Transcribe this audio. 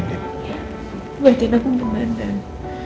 berarti aku pengandang